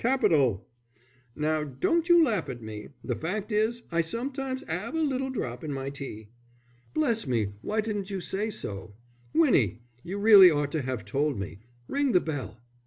Capital!" "Now don't you laugh at me. The fact is, I sometimes 'ave a little drop in my tea." "Bless me, why didn't you say so? Winnie, you really ought to have told me. Ring the bell."